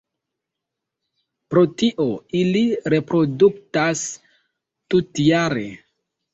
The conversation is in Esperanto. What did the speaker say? Pro tio, ili reproduktas tutjare.